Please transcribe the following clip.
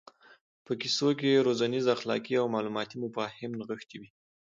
په کیسو کې روزنیز اخلاقي او معلوماتي مفاهیم نغښتي وي.